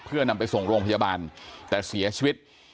เพื่อนำไปส่งโรงพยาบาลแต่เสียชีวิต